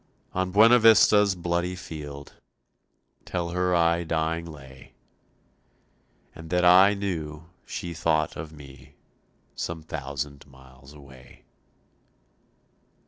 On Buena Vista's bloody field Tell her I dying lay, And that I knew she thought of me Some thousand miles away."